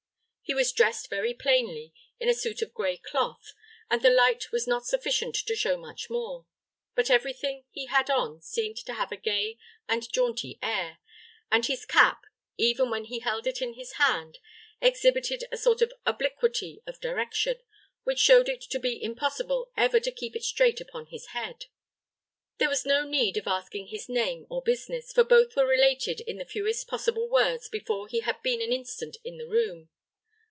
He was dressed very plainly, in a suit of gray cloth, and the light was not sufficient to show much more; but every thing he had on seemed to have a gay and jaunty air, and his cap, even when he held it in his hand, exhibited a sort of obliquity of direction, which showed it to be impossible ever to keep it straight upon his head. There was no need of asking his name or business, for both were related in the fewest possible words before he had been an instant in the room.